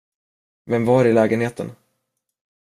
Vem var i lägenheten?